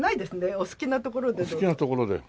お好きなところで。